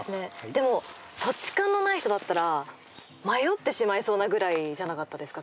でも土地勘のない人だったら迷ってしまいそうなぐらいじゃなかったですか？